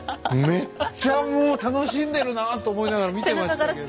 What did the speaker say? めっちゃもう楽しんでるなと思いながら見てましたけども。